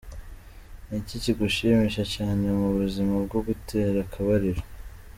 Ni iki kigushimisha cyane mu buzima bwo gutera akabariro?.